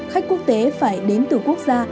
khách quốc tế phải đến từ quốc gia